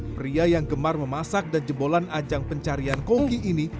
seorang kiropraktor memasak dan jebolan ajang pencarian koki ini